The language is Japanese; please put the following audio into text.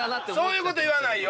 そういうこと言わないよ！